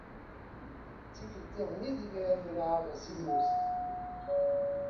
D tikelt-iḍen ideg menεeɣ si lmut.